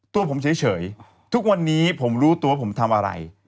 ตัวผมเฉยทุกวันนี้ผมรู้ตัวผมทำอะไร